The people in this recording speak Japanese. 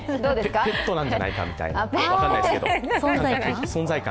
ペットなんじゃないかみたいな、分かんないですけど、存在感。